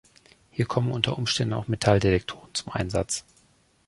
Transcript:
Hier kommen unter Umständen auch Metalldetektoren zum Einsatz.